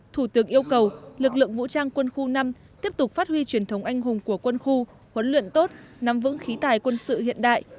thủ tướng yêu cầu lực lượng vũ trang quân khu năm tiếp tục phát huy truyền thống anh hùng của quân khu huấn luyện tốt nắm vững khí tài quân sự hiện đại